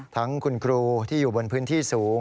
ทั้งคุณครูที่อยู่บนพื้นที่สูง